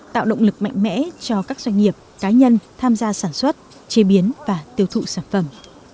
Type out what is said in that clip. tạo động lực mạnh mẽ cho các doanh nghiệp cá nhân tham gia sản xuất chế biến và tiêu thụ sản phẩm